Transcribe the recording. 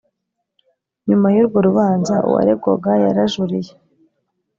Nyuma yurwo rubanza uwaregwaga yarajuriye